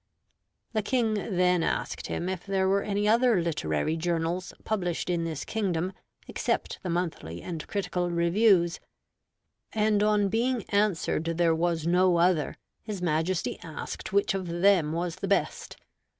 The King then asked him if there were any other literary journals published in this kingdom except the Monthly and Critical Reviews; and on being answered there was no other, his Majesty asked which of them was the best.